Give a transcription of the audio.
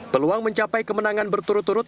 peluang mencapai kemenangan berturut turut